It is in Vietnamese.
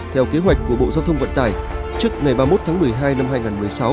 theo kế hoạch của bộ giao thông vận tải trước ngày ba mươi một tháng một mươi hai năm hai nghìn một mươi sáu